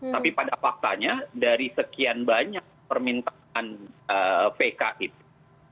tapi pada faktanya dari sekian banyak permintaan pk itu